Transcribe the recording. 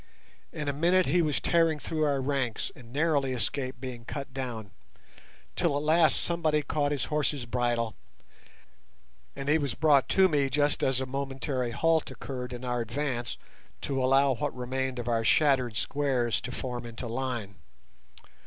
In a minute he was tearing through our ranks and narrowly escaped being cut down, till at last somebody caught his horse's bridle, and he was brought to me just as a momentary halt occurred in our advance to allow what remained of our shattered squares to form into line.